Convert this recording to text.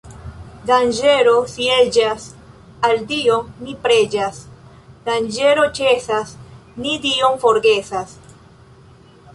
Danĝero sieĝas, al Dio ni preĝas — danĝero ĉesas, ni Dion forgesas.